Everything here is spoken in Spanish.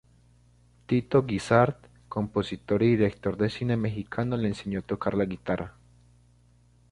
Tito Guízar compositor y director de cine mexicano le enseño a tocar la guitarra.